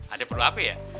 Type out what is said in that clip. ada perlu apa ya